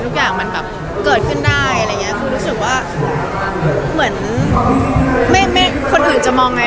ทำภาวะเหมือนคนอื่นจะมองกัน